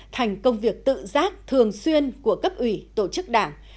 thành công việc tự giác thường xuyên của cấp ủy tổ chức đảng